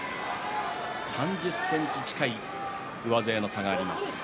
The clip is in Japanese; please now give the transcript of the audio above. ３０ｃｍ近い上背の差があります。